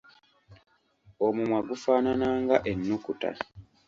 Omumwa gufaanana nga ennukuta.